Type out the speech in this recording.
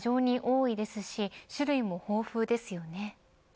非常に多いですし種類も豊富ですよね。